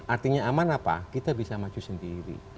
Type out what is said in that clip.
artinya aman apa kita bisa maju sendiri